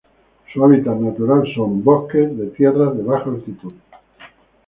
Su hábitat natural son: bosques, de tierras de baja altitud.